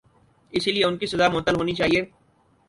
اسی لئے ان کی سزا معطل ہونی چاہیے۔